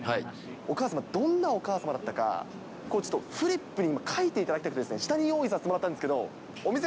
お母様、どんなお母様だったか、ちょっと、フリップに書いていただきたくて、下に用意させてもらったんですけど。